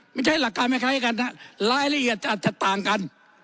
ไม่ใช่หลักการคล้ายกันนะรายละเอียดอาจจะต่างกัน